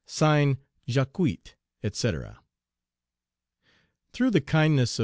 (Signed) JAQUIT, &c. Through the kindness of M.